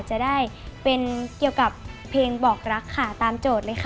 จะได้เป็นเกี่ยวกับเพลงบอกรักค่ะตามโจทย์เลยค่ะ